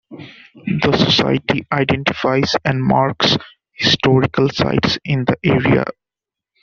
The society identifies and marks historical sites in the area.